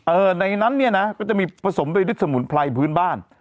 ในนั้นเนี่ยนะก็จะมีผสมไปด้วยสมุนไพรพื้นบ้าน